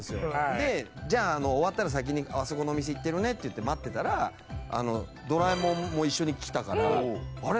でじゃあ終わったら先にあそこのお店行ってるねって言って待ってたらドラえもんも一緒に来たからあれ？